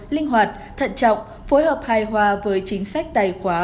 linh hoạt thận trọng phối hợp hài hòa với chính sách tài khoá